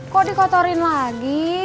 kok dikotorin lagi